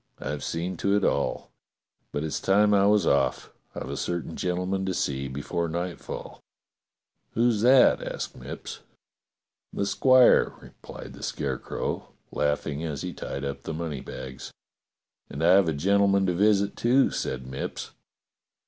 I've seen to it all. But it's time I was off. I've a certain gentleman to see before nightfall." " Who's that.? " asked Mipps. "The squire," replied the Scarecrow, laughing as he tied up the money bags. "And I have a gentleman to visit, too," said Mipps.